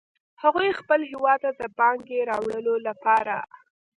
هغوی خپل هیواد ته د پانګې راوړلو لپاره